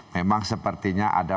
memang sepertinya ada